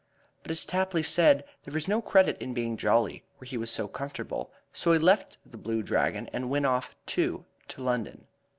But, as Tapley said, there was no credit in being jolly where he was so comfortable, so he left The Blue Dragon and went off, too, to London.